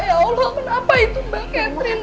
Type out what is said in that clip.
ya allah kenapa itu mbak catherine